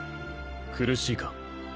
苦しいか